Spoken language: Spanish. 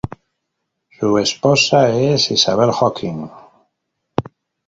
Su esposa es Isabel Hawking.